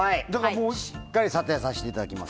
しっかり査定させていただきます。